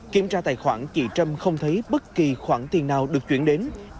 kiểm tra tài khoản chị trâm không thấy bất kỳ khoản tiền nào được chuyển đến